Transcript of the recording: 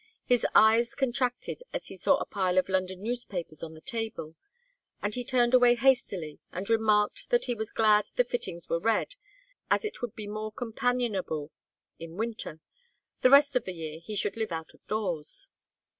His eyes contracted as he saw a pile of London newspapers on the table, and he turned away hastily and remarked that he was glad the fittings were red, as it would be more companionable in winter; the rest of the year he should live out of doors.